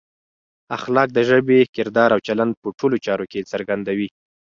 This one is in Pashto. اخلاق د ژبې، کردار او چلند په ټولو چارو کې څرګندوي.